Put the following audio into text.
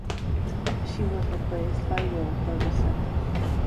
She was replaced by Will Ferguson.